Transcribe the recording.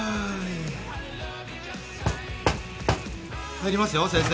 入りますよ先生。